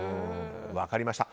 分かりました。